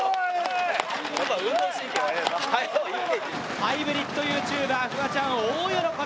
ハイブリッドＹｏｕＴｕｂｅｒフワちゃん、大喜び。